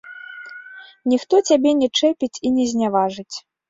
Ніхто цябе не чэпіць і не зняважыць.